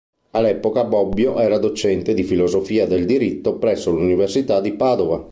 All'epoca Bobbio era docente di filosofia del diritto presso l'Università di Padova.